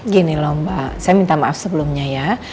gini loh mbak saya minta maaf sebelumnya ya